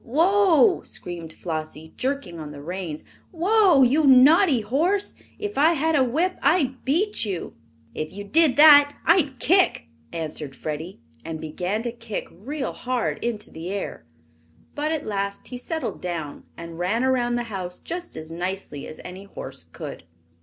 whoa!" screamed Flossie, jerking on the reins. "Whoa, you naughty horse! If I had a whip, I'd beat you!" "If you did that, I'd kick," answered Freddie, and began to kick real hard into the air. But at last he settled down and ran around the house just as nicely as any horse could.